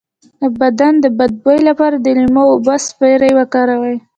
د بدن د بد بوی لپاره د لیمو او اوبو سپری وکاروئ